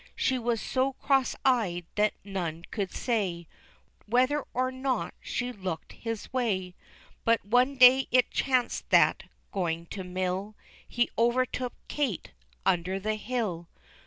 She was so cross eyed, that none could say Whether or not she looked his way. But one day it chanced that, going to mill, He overtook Kate under the hill.